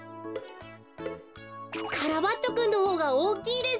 カラバッチョくんのほうがおおきいです。